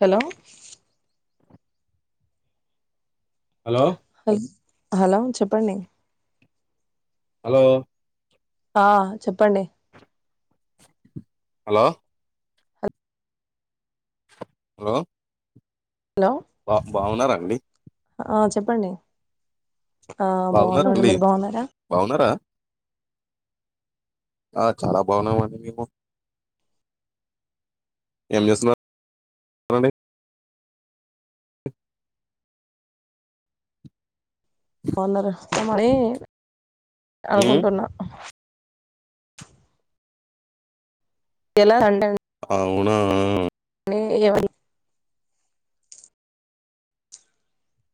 Hello hello హ hello చెప్పండి hello ఆ చెప్పండి హలో హలో హలో బా బాగున్నడి ఆ చెప్పండి ఆ బాగున్నారా బాగున్నామండి అండి మీరు బాగున్నారా బాగున్నారా ఆ చాలా బాగున్నామ అండి మేము ఏం చేస్తున్నారుండి బాన్నారా మరి ఉమ్ అనుకుంటున్నా ఎలా అండే అవునా ఎవరు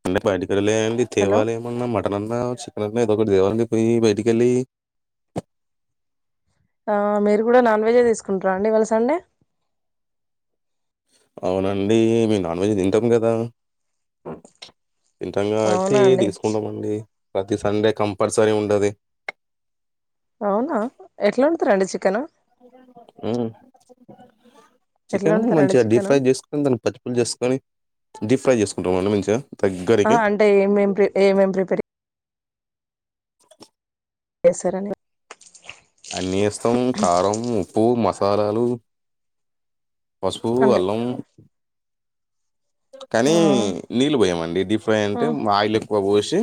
కింద పాడి ఇలేండి హలో తేవాల ఏమన్నా మ చక్కన అన్న చికెన్ అన్న ఏదో ఒకటి తేవాలండి పోయి బయటికి వెళ్లి ఆ మీరు కూడా నాన్ వెజే తీసుకుంటారా అండి ఇవాళ సండే అవునండి మేము నాన్ వెజ్ తింటాం కదా ఇంతంగా పెట్టి అవునా అండి తీసుకుంటామండి ప్రతి సండే కంప్ పరిసనే ఉండది రెడు చికెను ఉ ఎట్లా చికెన్ వండుతారండి మంచిగా డీప్ చికెన్ ఫ్రై చేసుకొని దానికి పచ్చిపులు చేసుకొని డీప్ ఫ్రై చేసుకుంటామండి మంచిగా ఆ దగ్గరికి అంటే ఏమేమి ఏమేం ప్రిపేర్ [unintelligible] ఎసరని అన్ని ఏస్తాం కారం, ఉప్పు, మసాలాలు పసుపు, అంటే అల్లం ఆ కానీ నీళ్ళు పోయమండి డిఫై ఆ అంటే ఆయిలే పోసి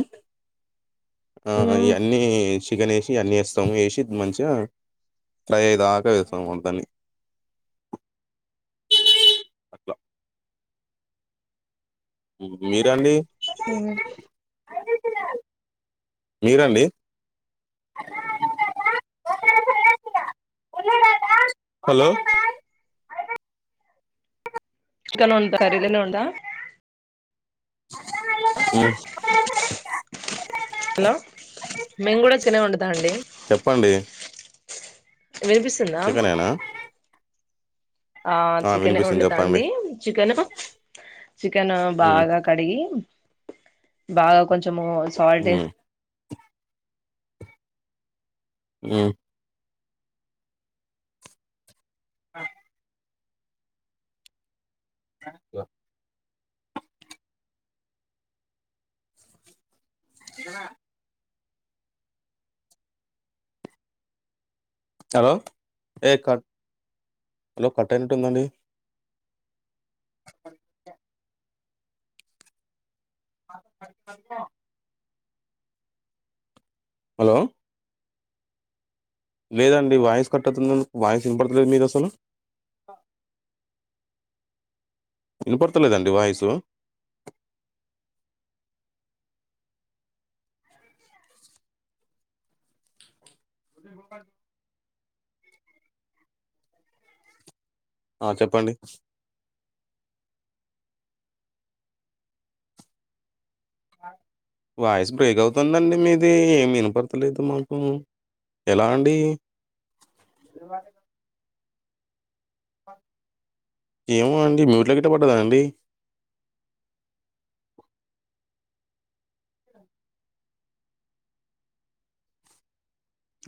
ఆ మ్మ్ అన్నీ చికెన్ ఏసి అన్ని ఏస్తాము ఏసి మంచిగా దాకా వేస్తాం వంటని అట్లా ఉ మీరండి మీరండి హలో ఇకా నో దరి ఇలిన ఉంద ఉ హలో మేము కూడా తినే వండుతాం అండి చెప్పండి వినిపిస్తుందా చికెనేనా ఆ చికెన్ వినిపిస్తుంది వండుతా చెప్పండి అండి చికెన్ చికెన్ మ్ బాగా కడిగి బాగా కొంచ్ మో సాల్ట్ ఏస్ మ్ ఆ ఆ ఇకనా హలో ఏ క హలో కట్టనిట్ందండి [unintelligible] హలో లేదండి వాయిన్స్ కట్టతుంది వాయిన్స్ ఇనపడతలేదు మీరు అసలు ఇని పడతాందేలునంది వయిసు ఉ ఒకప్ప ఆ చెప్పండి వాయిస్ బ్రేక్ అవుతుందండి మీది ఏ వినపడతలేదు మాకు ఎలా అండి ఏమో అండి మ్యూట్లో గిట్ట పడ్డదా అండి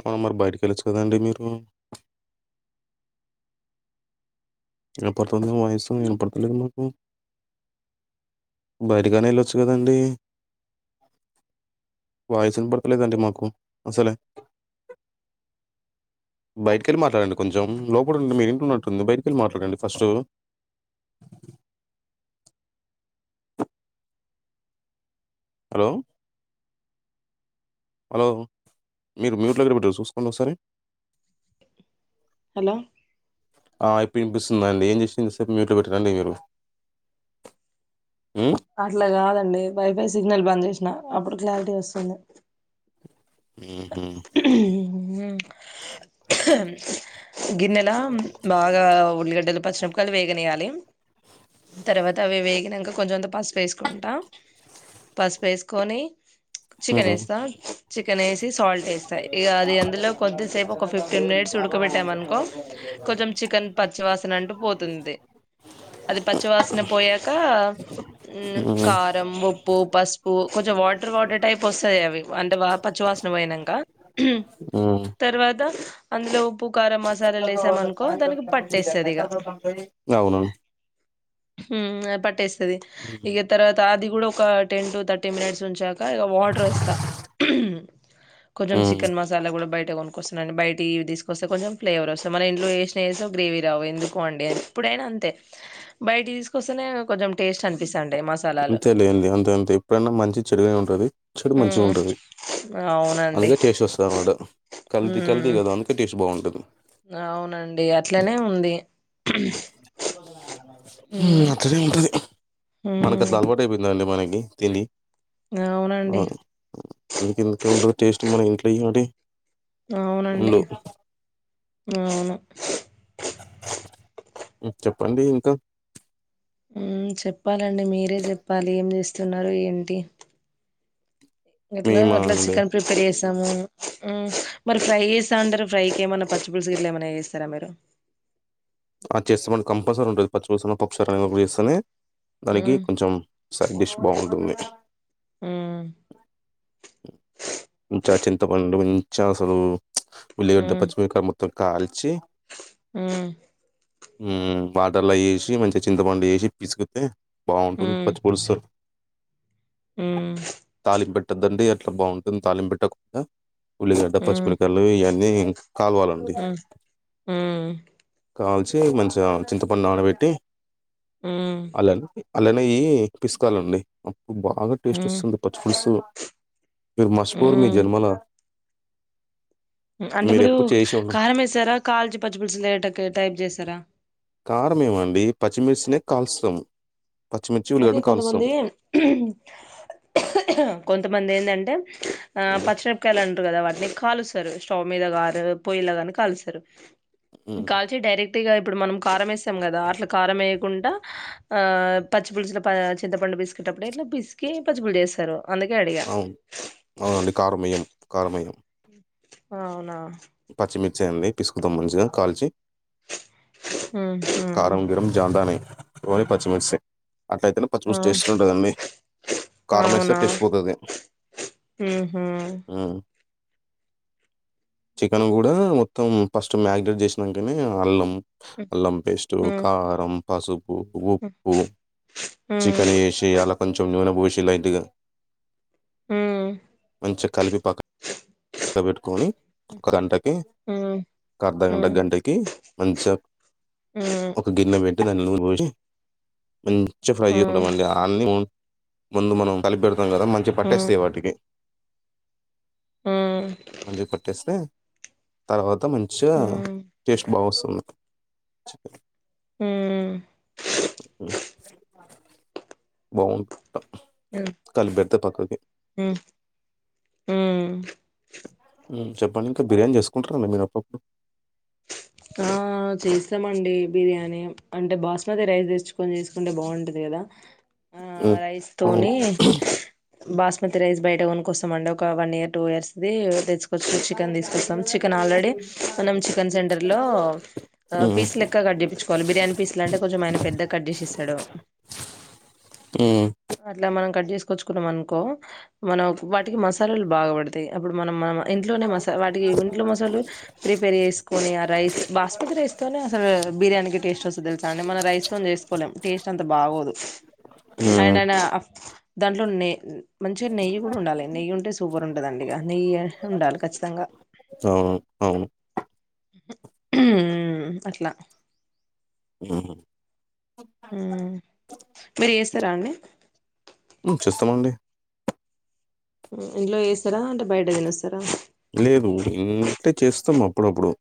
అవునా మరి బయటకి వెళచ్చు కదండి మీరు ఏన పడుతుంది వాయసు వినపడతలేదు మాకు బయటగానే వెళ్ళొచ్చు కదండి వాయసు వినపడతలేదండి మాకు అసలే బయటికి వెళ్ళి మాట్లాడండి కొంచెం లోపలండి మీరు ఇంట్లో ఉన్నట్టుంది బయటిక వెళ్ళి మాట్లాడండి ఫస్ట్ హలో హలో మీరు మ్యూట్ దగ్గర పె చూసుకోం ఒక సరే హలో ఆ ఇప్పు వినిపిస్తుందా అండి ఏం చేసిందిసేపు మ్యూట్ పెట్టనండి మీరు ఉమ్? అట్లా కాదు అ అండి వైఫై సిగ్నల్ బంద్ చేసిన అప్పుడు క్లారిటీగా వస్తుంది ఉమ్, ఊ ఊ గిన్నెలా బాగా ఉల్లిగడ్డలు పచ్చిమిరపకాయలు వేగానియాలి తర్వాత అవి వేగినక కొంచెం అంత పసుపు వేసుకుంటాం పసుపు వేసుకొని చికెన్ ఏస్తా చికెన్ ఏస్ ది సాల్ట్ ఏస్తాయ్ ఇక కాదు ఎందులో కొద్దిసేపు ఒక ఫిఫ్టీన్ మినిట్స్ ఉడకబెట్టామనుకో కొంచెం చికెన్ పచ్చివాసన అంటూ పోతుంది అది పచ్చివాసన పోయాక ఊ ఉమ్, కారం ఉప్పు పసుపు కొంచెం వాటర్ వాటర్ టైప్ వస్తాది అవి అంటే బా పచ్చివాసన నువ్వైనంకా ఉమ్, తర్వాత అందులో ఉప్పు కారం మసాలాలు లేసి అవును ఊ పట్టేస్తాది ఇక తర్వాత అది కూడా ఒక టెన్ టు థర్టీ మినిట్స్ ఉంచాక ఇక వాటర్ ఏస్తా కొంచెం ఉమ్, చికెన్ మసాలా కూడా బయట కొనుక్కొస్తానండి బయటివి తీసుకొస్తే కొంచెం ఫ్లేవర్ వస్తాది మన ఇంట్లో ఏసినఏసిన గ్రేవీ రావు ఎందుకో అండి ఎప్పుడైనా అంతే బయటి తీసుకొస్తేనే కొంచెం టేస్ట్ అనిపిస్తాదంతే మస అంతేలేండి అంతే అంతే ఎప్పుడనా మంచి చెడుగానే ఉంటాది చెడు మంచిగా హ్మ్ ఉంటాది అవునండి అందుకే టేస్ట్ వస్తాదన్నమాట కల్తీ కల్తీ హ్మ్ కదా అందుకే టేస్ట్ బావుంటాది అవునండి అట్లానే ఉంది [unintelligible] ఊ హ్మ్ అక్కడే ఉంటది మనకి హ్మ్ తలపోటు అయిపోయిందండి మనకి తెలి అవునండి అవును నీ ఎందుకు కౌంటరు టేస్ట్ మన ఇంట్లోయి ఏంటి అవునండి అవును ఊ చెప్పండి ఇంకా ఊ చెప్ప ప్పాలండి మీరే చెప్పాలి ఏం చేస్త తూన్నారు ఏంటి ఎట్లా మేమా అట్లా అండి చికెన్ ప్రిపర్ చేస్ ఊ మరి ఫ్రై చేస్తా అంటారు ఫ్రైకి ఏమన్నా పచ్చి పులుసు ఇట్ల ఏమైన చేస్తారా మీరు ఆ చేస్తామండి కంపల్సరీ ఉంటాది పచ్చి పులుసును పప్పుచారు [unintelligible] చేస్తేనే దానికి మ్మ్ కొంచెం సైడ్ డిష్ బావుంటుంది ఊ ఉంచా చింతపండు ఉంచా అసలు ఉల్లిగడ్డ పచ్చిమిర్చి కారం మొత్తం కాల్ మ్మ్ ఉమ్ వాటర్లో ఎసి మంచి చింతపండు ఎసి పిసుకుతే బాగుంటుంది మ్మ్ పచ్చి పులుసు మ్మ్ తాలింపెట్టద్దండి ట్ల బాగుంటుంది తాళింపెట్టకుండా ఉల్లిగడ్డ మ్మ్ పచ్చిమిరపకా యలు ఇవన్నీ కాలువాలండి మ్మ్ మ్మ్ కాల్సి మంచిగా చింతపండు నానబెట్టి ఉమ్ అల్లనే ఇయ్యి పిసుకాలండి బాగా టేస్ట్ మ్మ్ మ్మ్ వస్తుంది పచ్చి పులుసు మీర్ మష్ పోర్ మీ మ్మ్ జన్మలా అంటే మీరు ఎప్పుడు చేసి ఉండరు కారం వేసారా కాల్చి పచ్చి పులుసులు లేటక్క టైప్ చేసారా కారంమేమండి పచ్చిమిర్సినే కాల్స్తము అయితే కొంతమంది కొంత మందేందంటే ఆ మ్మ్. పచ్చినెర్పకాయల కదా వాటిని కాలుస్తరు స్టోవ్ మీద కారు పొయ్యిల కని కాలుస్తారు మ్మ్. కాల్చి డైరెక్ట్గా ఇప్పుడు మనం కారం ఏస్తం కదా అట్ల కారం వేయకుండా ఆ పచ్చి పులుసుల ప చింతపండు పీసుకేటప్పుడే ఇట్ల పీసికి పచ్చిపులు చేస్తారు అందుకే అడిగా అవును అవునండి కారమెయ్యం కారమెయ్యం అవునా పచ్చిమిర్చియండి పిసుకుతాం మంచిగా కాల్చి ఉహు కారం గిరమ్ జాందా నయి మా పచ్చిమిర్సీ అట్లయితేనే ఆ పచ్చిమిర్సీ టేస్ట్ ఉంటుందండీ కారం వేస్తే అవునా టేస్ట్ పోతది ఉహు చికెన్ కూడా మొత్తం ఫస్ట్ మ్యాగ్నేట్ చేసినంకనే అల్లం అల్లం పేస్టు ఉ ఉ కారం అసుబ్ ఉప్పు ఉ ఉ ఉ చికెనేషి అల్ల కొంచెం నూనె భో చిల్ అయిండిగా పంచ కాల్విపాకా పెట్టుకొని ఒక గంటకి ఉ ఒక అర్ధ గంట గంటకి మంచిగా ఒక ఉ గిన్నె పెట్టి దాన్ని నూరు పో మ వచ్చ ఫ్రై ఉ చే ఉంటా అండి అన్నీ ముందు మనం కలిపెడుతుంది ం కదా మంచి ఉ పట్టేస్తాయి వాటికి ఆ అే త హద్ అంత మంచిగా టెస్ట్ బాగుస్ంది [unintelligible] హుమ్మ్ అ బా ఆ అంత పక్కకి ఆ చెప్పండి ఇంకా బిర్యానీ చేసుకుంటారండి మీనప్పప్పుడు ఆ చేస్తామండి బిర్యానీ అంటే బాస్మతి రైస్ తెచ్చుకొని చేసుకుంటే బాగుంటది కదా ఆ ఉమ్, రైస్ అవును తోని బాస్మతి రైస్ బయట కొనుకొస్తామండి ఒక వన్ ఇయర్ టూ ఇయర్స్ది తెచ్చు కొర్ చికెన్ తీసుకొస్తాం చికెన్ ఆల్రెడీ మనం చికెన్ సెంటర్లో ఉమ్, పీస్ లెక్క కట్ చేయిచుకోవాలి బిర్యానీ పీస్ లు అంటే కొంచం ఆయన పెద్ద కట్ చేసస్తాడు ఉమ్, అట్లా మనం కట్ చేసుకొచ్చుకున్నాం అనుకో మనం వాటికి మసాలాలు బాగా పడతాయి అప్పుడు మనం మన ఇంట్లోనే మస వాటికి ఇంట్లో మసాలాలు ప్రిపేర్ చేసుకొని ఆ రైస్ బాస్ రైస్ తోనో అసలు బిర్యానీ క టేస్ట్ వస్తుంది తెలుసా అండి మనం రైస్తో చేసుకోలేం టేస్ట్ అంత బాగోదు ఉమ్, అండ్ ఆన దాంట్లో నెయ మంచిగా నెయ్యి కూడా ఉండాలి నెయ్యి ఉంటే సూపర్ ఉంటదడిక నెయ్యి ఉండాలి ఖచ్చితంగా ఆ హమ్ అట్లా ఆ మరి సర చేస్తామండి ఇంట్లో చేస్తారా అంటే బయట తినస్తా లేదు ఇంటే చేస్త అప్పుడప్పుడు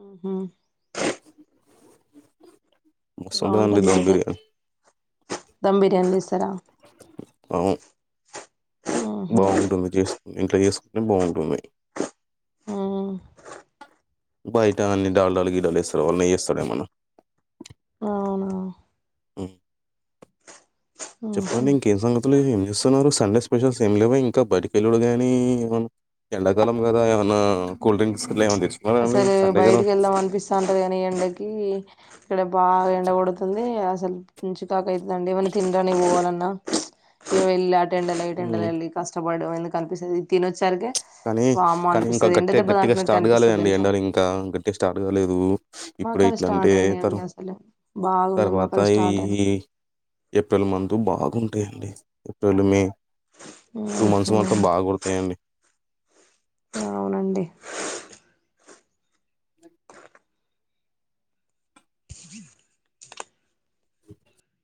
మ్ హూ మస్తు ఉంటుందండి బాగుంటది దమ్ అయితే బిర్యానీ ధమ్ బిర్యానీ చేస్తారా అవును ఉహు బాగుంటుంది చేసు ఇంట్లా చేసుకుంటే బాగుంటుంది ఉ బయట అన్ని డాల్డ లు గీల్డ లు వేస్తారు వాళ్లు నెయ్యి వేస్తాం కదా మనం అవునా మ్ ఉహు చెప్పండి ఇంకేం సంగతులు ఏం చేస్తున్నారు సండే స్పెషల్స్ ఏమి లేవ ఇంకా బడి కెల్లుడు గాని ఏమన్నా ఎండాకాలం కదా ఏమన్నా కూల్ డ్రింక్స్ గిన ఏమ అసలు బయటికి వెళ్దాం అనిపిస్తాంటాది కాని ఎండకి ఇక్కడ బాగా ఎండ కొడుతుంది అ సలు ఇంచు తాక అయితుందండి ఏమైనా తినడానికి పోవాలన్నా ఇ వెళ్ళి ఎండల ఇటు ఎండల హ్మ్. వెళ్లి కష్టం ఎందుకు అనిపిస్తది తినొచ్చే సరికే కానీ కాని ఇంకా గట్టి గట్టిగా తాకినట్టు స్టార్ట్ కాలే అనిపిస్తది దు తెలుసా ఎండలు ఇంకా గట్టిగా స్టార్ట్ కాలేదు ఇప్పుడే మాకాడ ఇట్లాంటే స్టార్ట్ తర్వా అయినాయండి అసలు బాగున్నాయి తర్వాత మాకాడ ఈ స్టార్ట్ అయినాయి ఏప్రిల్ మంత్ బాగుం అంటే అండి ఏప్రిల్ మే టూ ఉహు మంత్స్ మాత్రం బాగా గొడతాయండి ఆవునండి